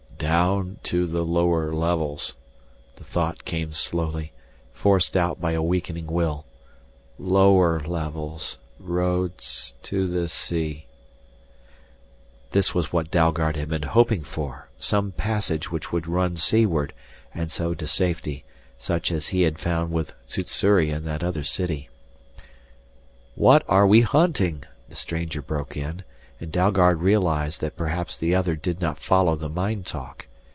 " down to the lower levels " the thought came slowly, forced out by a weakening will. "Lower levels roads to the sea " That was what Dalgard had been hoping for, some passage which would run seaward and so to safety, such as he had found with Sssuri in that other city. "What are we hunting?" the stranger broke in, and Dalgard realized that perhaps the other did not follow the mind talk.